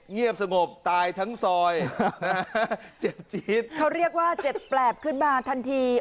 เงียบสงบตายทั้งซอยเจ็บจี๊ดเขาเรียกว่าเจ็บแปลบขึ้นมาทันที